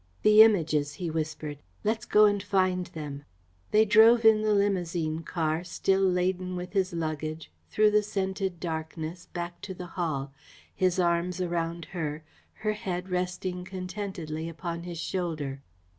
"The Images," he whispered; "let's go and find them." They drove in the limousine car, still laden with his luggage, through the scented darkness, back to the Hall, his arms around her, her head resting contentedly upon his shoulder.